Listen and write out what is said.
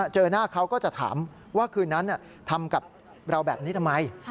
เจอหน้าเขาก็จะถามว่าคืนนั้นทำกับเราแบบนี้ทำไม